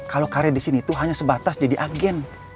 kalau karya disini itu hanya sebatas jadi agen